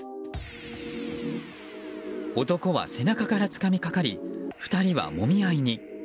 男は背中からつかみかかり２人はもみ合いに。